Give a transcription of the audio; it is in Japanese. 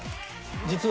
実は。